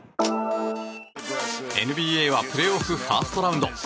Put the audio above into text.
ＮＢＡはプレーオフファーストラウンド。